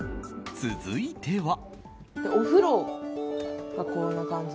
続いては。